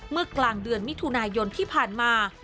เมื่อกลางเดือนมิถุนายนที่ผ่านมา